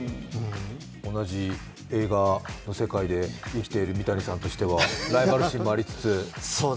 同じ映画の世界で生きている三谷さんとしてはライバル心もありつつ？